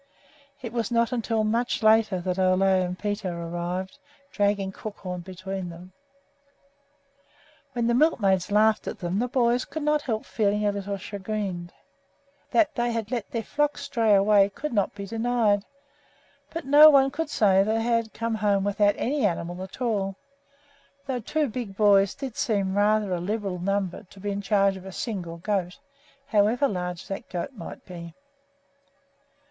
It was not until much later that Ole and Peter arrived, dragging Crookhorn between them. When the milkmaids laughed at them the boys could not help feeling a little chagrined. That they had let their flocks stray away could not be denied; but no one could say that they had come home without any animal at all, although two big boys did seem a rather liberal number to be in charge of a single goat, however large that goat might be.